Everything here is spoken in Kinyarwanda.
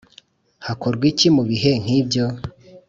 hakorwa iki mu bihe nk'ibyo?